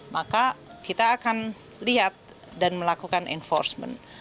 maka kita akan lihat dan melakukan enforcement